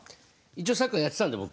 一応サッカーやってたんで僕。